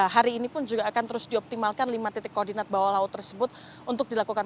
hari ini pun juga akan terus dioptimalkan lima titik koordinat bawah laut tersebut untuk dilakukan